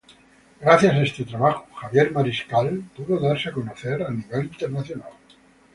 Gracias a este trabajo, Javier Mariscal pudo darse a conocer a nivel internacional.